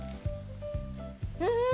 うん！